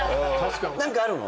何かあるの？